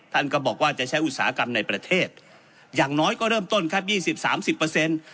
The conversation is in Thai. ท่านก็บอกว่าจะใช้อุตสาหกรรมในประเทศอย่างน้อยก็เริ่มต้นครับยี่สิบสามสิบเปอร์เซ็นต์